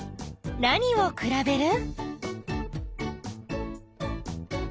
なにをくらべる？